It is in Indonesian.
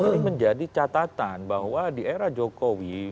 ini menjadi catatan bahwa di era jokowi